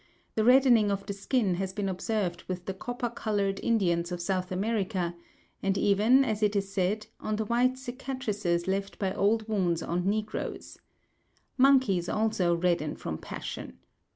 The reddening of the skin has been observed with the copper coloured Indians of South America, and even, as it is said, on the white cicatrices left by old wounds on negroes. Monkeys also redden from passion.